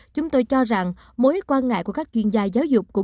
chúng tôi cho rằng mối quan ngại của các chuyên gia giáo dục